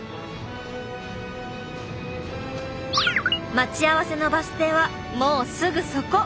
待ち合わせのバス停はもうすぐそこ。